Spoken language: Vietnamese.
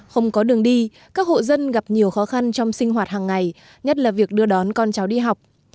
không có đường đi các hộ dân gặp nhiều khó khăn trong sinh hoạt hàng ngày nhất là việc đưa đón con cháu đi học